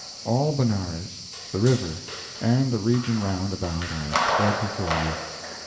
All Benares, the river, and the region round about are spread before you.